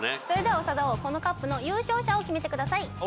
それでは長田王このＣＵＰの優勝者を決めてください。